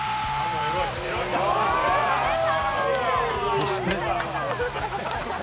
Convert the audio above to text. そして。